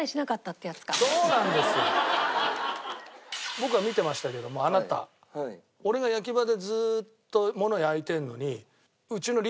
僕は見てましたけどもあなた俺が焼き場でずーっとものを焼いてるのに。